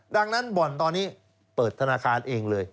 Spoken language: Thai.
ดังนั้นบ่อนตอนนี้เปิดธนาคารเองเลย